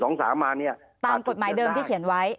จงได้ตามกฎหมายเติมที่เขียนไว้